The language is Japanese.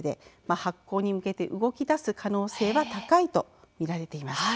発行に向けて動きだす可能性が高いと見られています。